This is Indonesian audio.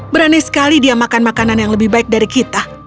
berani sekali dia makan makanan yang lebih baik dari kita